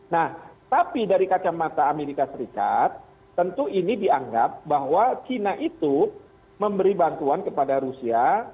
nah tapi dari kacamata amerika serikat tentu ini dianggap bahwa china itu memberi bantuan kepada rusia